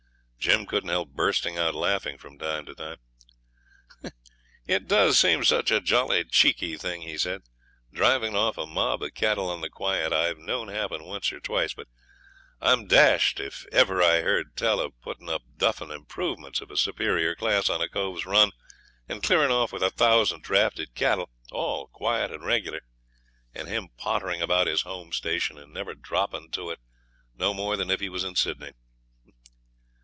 Jim couldn't help bursting out laughing from time to time. 'It does seem such a jolly cheeky thing,' he said. 'Driving off a mob of cattle on the quiet I've known happen once or twice; but I'm dashed if ever I heard tell of putting up duffing improvements of a superior class on a cove's run and clearing off with a thousand drafted cattle, all quiet and regular, and him pottering about his home station and never "dropping" to it no more than if he was in Sydney.'